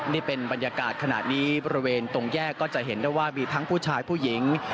นี่เป็นบรรยากาศขณะนี้บริเวณตรงแยกก็จะเห็นได้ว่ามีทั้งผู้ชายผู้หญิง